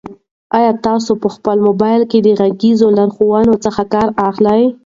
آیا تاسو په خپل موبایل کې د غږیزو لارښوونو څخه کار اخلئ؟